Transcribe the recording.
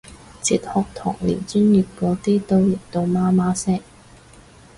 哲學堂連專業嗰啲都譯到媽媽聲